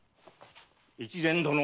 越前殿。